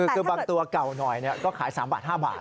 คือบางตัวเก่าหน่อยก็ขาย๓บาท๕บาท